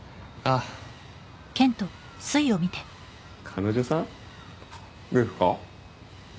あ彼女さん？ですか？